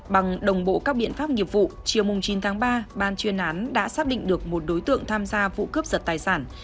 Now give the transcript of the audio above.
bằng đồng bộ các biện pháp nghiệp vụ chiều chín tháng ba ban chuyên án đã xác định được một đối tượng tham gia vụ cướp giật tài sản